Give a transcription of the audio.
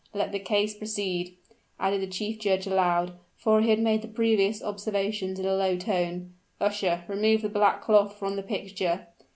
Let the case proceed," added the chief judge aloud; for he had made the previous observations in a low tone. "Usher, remove the black cloth from the picture!"